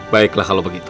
baiklah kalau begitu